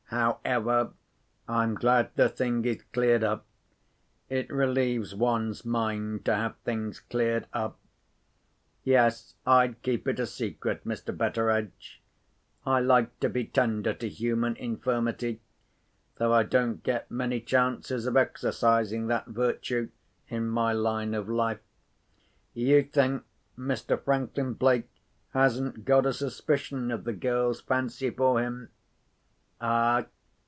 However, I'm glad the thing is cleared up: it relieves one's mind to have things cleared up. Yes, I'll keep it a secret, Mr. Betteredge. I like to be tender to human infirmity—though I don't get many chances of exercising that virtue in my line of life. You think Mr. Franklin Blake hasn't got a suspicion of the girl's fancy for him? Ah!